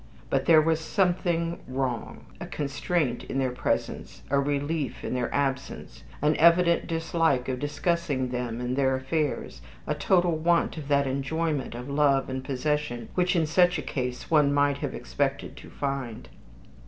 But there was something wrong. A constraint in their presence, a relief in their absence, an evident dislike of discussing them and their affairs, a total want of that enjoyment of love and possession which in such a case one might have expected to find.